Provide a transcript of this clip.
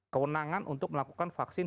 kewenangan untuk melakukan vaksin